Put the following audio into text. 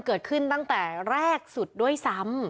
เกิดขึ้นตั้งแต่แรกสุดด้วยซ้ำ